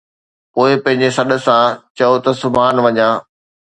پوءِ، پنهنجي سڏ سان، چئو ته، ”سبحان وڃان.